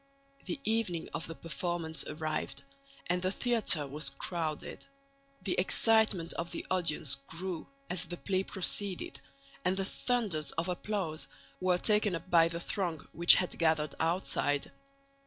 The evening of the performance arrived, and the theatre was crowded. The excitement of the audience grew as the play proceeded; and the thunders of applause were taken up by the throng which had gathered outside.